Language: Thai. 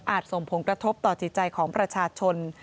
ส่งผลกระทบต่อจิตใจของประชาชน